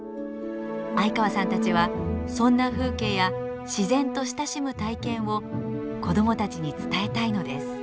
相川さんたちはそんな風景や自然と親しむ体験を子どもたちに伝えたいのです。